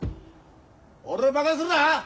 俺をバカにするな！